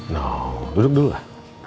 no duduk dulu lah